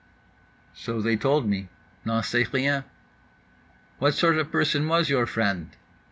_"—"So they told me. N'en sais rien."—"What sort of person was your friend?"